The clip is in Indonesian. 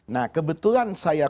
nah kebetulan saya